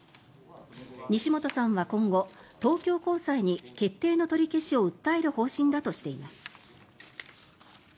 西本さんは今後、東京高裁に決定の取り消しを訴える方針だとしています。